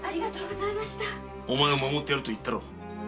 お前を守ってやると言ったろう。